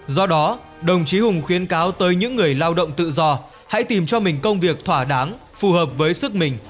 do đó đồng chí hùng khuyến cáo tới những người lao động tự do hãy tìm cho mình công việc thỏa đáng phù hợp với sức mình